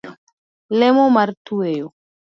Lemo mar tweyo